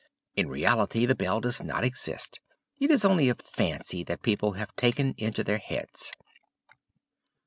In reality the bell does not exist; it is only a fancy that people have taken into their heads!"